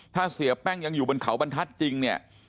ถ้าเสียแป้งยังอยู่บนเขาบรรทัศน์จริงเนี่ย